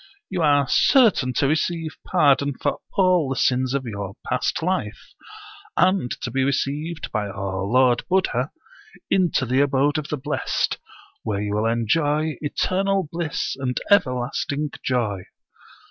You are certain to receive pardon for all the sins of your past life, and to be received by our Lord Buddha into the abode of the blest, where you will enjoy eternal bliss and everlasting joy.